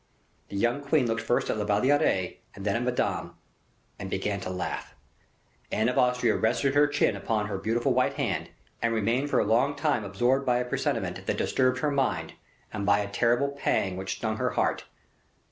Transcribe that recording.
The young queen looked first at La Valliere and then at Madame, and began to laugh. Anne of Austria rested her chin upon her beautiful white hand, and remained for a long time absorbed by a presentiment that disturbed her mind, and by a terrible pang which stung her heart.